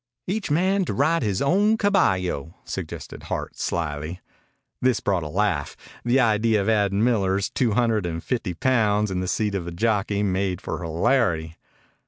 "Each man to ride his own caballo," suggested Hart slyly. This brought a laugh. The idea of Ad Miller's two hundred and fifty pounds in the seat of a jockey made for hilarity.